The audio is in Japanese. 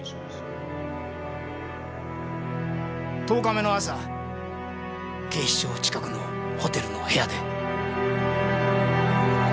十日目の朝警視庁近くのホテルの部屋で。